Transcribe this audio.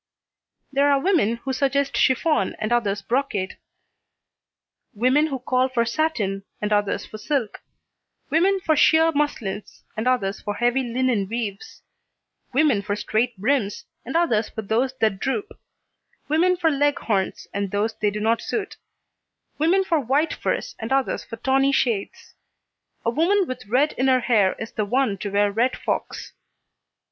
There are women who suggest chiffon and others brocade; women who call for satin, and others for silk; women for sheer muslins, and others for heavy linen weaves; women for straight brims, and others for those that droop; women for leghorns, and those they do not suit; women for white furs, and others for tawny shades. A woman with red in her hair is the one to wear red fox.